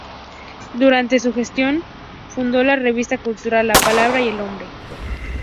Durante su gestión fundó la revista cultural "La Palabra y el Hombre".